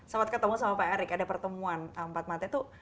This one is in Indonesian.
sempat ketemu sama pak erick ada pertemuan empat mata itu